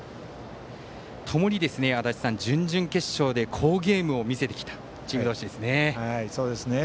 ともに足達さん、準々決勝で好ゲームを見せてきたチーム同士ですね。